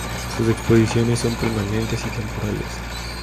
Sus exposiciones son permanentes y temporales.